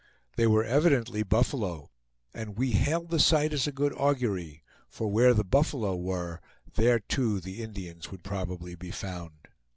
They were evidently buffalo, and we hailed the sight as a good augury; for where the buffalo were, there too the Indians would probably be found.